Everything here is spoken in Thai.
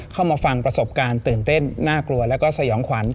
เข้ามาฟังประสบการณ์ตื่นเต้นน่ากลัวแล้วก็สยองขวัญ